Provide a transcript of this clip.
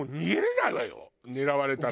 狙われたら。